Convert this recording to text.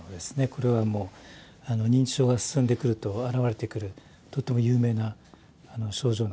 これはもう認知症が進んでくると現れてくるとっても有名な症状なんですけどね。